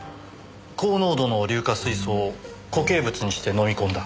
高濃度の硫化水素を固形物にして飲み込んだ。